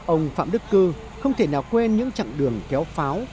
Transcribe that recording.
ông phạm đức cư không thể nào quên những chặng đường kéo pháo